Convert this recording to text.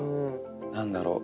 何だろう